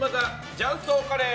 雀荘カレー。